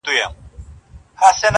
o په جهان کي به خوره وره غوغا سي,